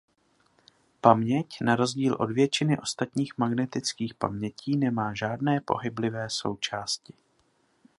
Paměť na rozdíl od většiny ostatních magnetických pamětí nemá žádné pohyblivé součásti.